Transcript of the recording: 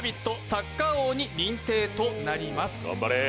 サッカー王に認定となります。